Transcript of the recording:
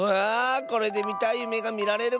これでみたいゆめがみられるかも！